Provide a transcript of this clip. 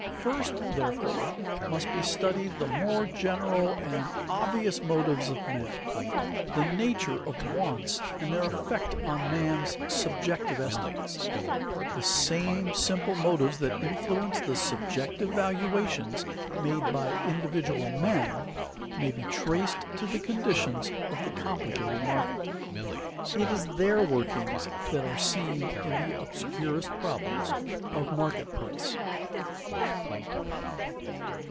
First, therefore, must be studied the more general and obvious motives of men, the nature of wants and their effects on man's subjective estimates. The same simple motives that influence the subjective valuations made by individual men, may be traced to the conditions of the complicated market. It is their workings that are seen in the obscurest problems of market price.